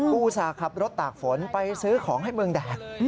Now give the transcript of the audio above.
อุตส่าห์ขับรถตากฝนไปซื้อของให้เมืองแดก